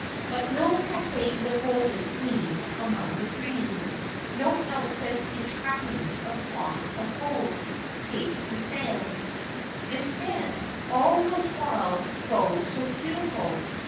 But no Cathay the Golden gleamed among the green, no elephants in trappings of cloth of gold, paced the sands. Instead, all was wild though so beautiful.